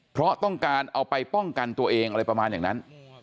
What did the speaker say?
เพราะต้องการเอาไปป้องกันตัวเองอะไรประมาณอย่างนั้น